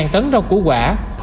một mươi tấn rau củ quả